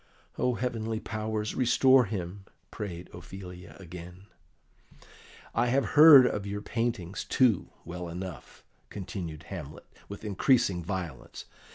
"O heavenly powers, restore him!" prayed Ophelia again. "I have heard of your paintings, too, well enough," continued Hamlet, with increasing violence.